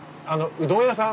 うどん屋さん！